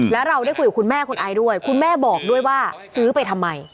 แล้วเราได้คุยกับคุณแม่คุณไอซ์ด้วยคุณแม่บอกด้วยว่าซื้อไปทำไม